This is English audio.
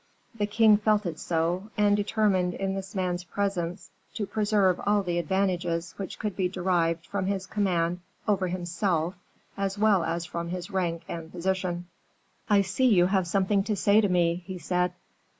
The king felt it so, and determined in this man's presence to preserve all the advantages which could be derived from his command over himself, as well as from his rank and position. "I see you have something to say to me," he said.